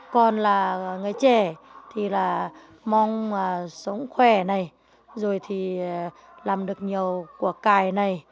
còn là người trẻ thì là mong sống khỏe này rồi thì làm được nhiều cuộc cài này